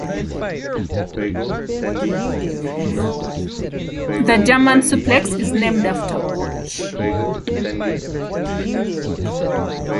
The German suplex is named after Gotch.